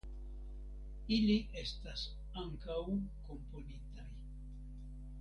Ili estas ankaŭ komponitaj.